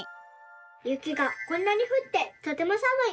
「ゆきがこんなにふってとてもさむい。